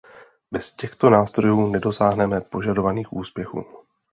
Bez těchto nástrojů nedosáhneme požadovaných úspěchů.